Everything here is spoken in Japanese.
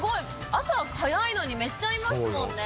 朝早いのにめっちゃいますもんね。